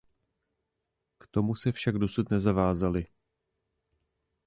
K tomu se však dosud nezavázaly.